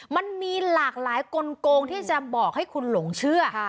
มันมีหลากหลายกลงที่จะบอกให้คุณหลงเชื่อ